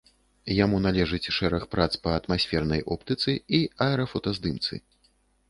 Яму належыць шэраг прац па атмасфернай оптыцы і аэрафотаздымцы.